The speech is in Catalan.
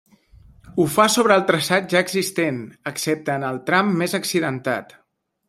Ho fa sobre el traçat ja existent, excepte en el tram més accidentat.